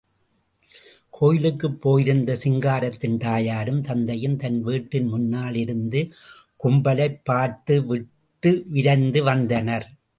கோயிலுக்குப் போயிருந்த சிங்காரத்தின் தாயாரும் தந்தையும், தன் வீட்டின் முன்னால் இருந்த கும்பலைப் பார்த்து விட்டு விரைந்து வந்தனர்.